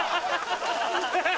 ハハハ！